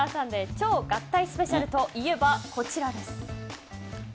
超合体スペシャルといえばこちらです。